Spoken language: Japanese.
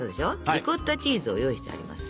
リコッタチーズを用意してあります。